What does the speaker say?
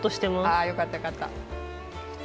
あよかったよかった。